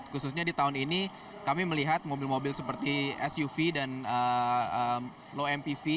khususnya di tahun ini kami melihat mobil mobil seperti suv dan low mpv